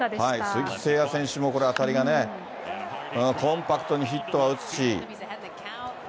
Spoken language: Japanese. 鈴木誠也選手も当たりがね、コンパクトにヒットは打つし。